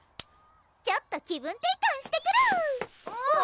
ちょっと気分転換してくるあっ！